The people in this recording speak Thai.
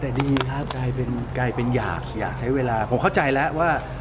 แต่ดีครับใกล้เป็นอยากอยากใช้เวลาผมเข้าใจแล้วว่า